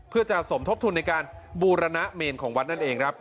เพื่อจะสมทบทุนในการบูรณเมนของวัดนั่นเองครับ